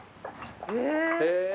へえ。